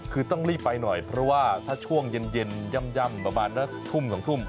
คือต้องรีบไปหน่อยเพราะว่าถ้าช่วงเย็นย่ำประมาณทุ่ม๒ทุ่ม